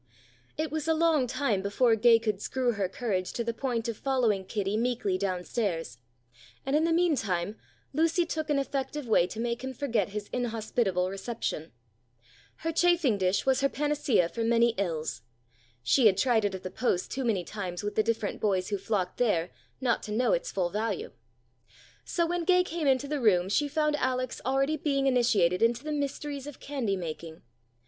"] It was a long time before Gay could screw her courage to the point of following Kitty meekly down stairs, and in the meantime Lucy took an effective way to make him forget his inhospitable reception. Her chafing dish was her panacea for many ills. She had tried it at the Post too many times with the different boys who flocked there, not to know its full value. So when Gay came into the room she found Alex already being initiated into the mysteries of candy making.